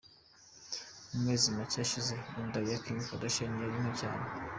Mu mezi make ashize, inda ya Kim Kardashian yari nto cyane.